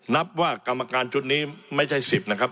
นับว่ากรรมการชุดนี้ไม่ใช่๑๐นะครับ